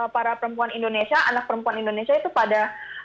para perempuan indonesia anak perempuan indonesia itu pada